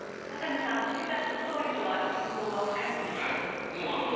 中野さん岸田総理とは親交は深いのでしょうか？